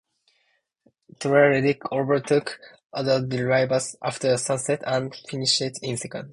Tyler Reddick overtook other drivers after sunset and finished in second.